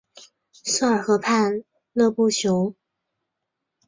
索尔河畔勒布雄。